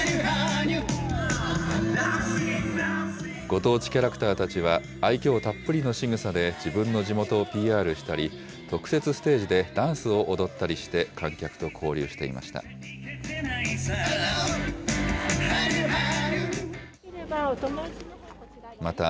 ご当地キャラクターたちは、愛きょうたっぷりのしぐさで自分の地元をＰＲしたり、特設ステージでダンスを踊ったりして観客と交流していました。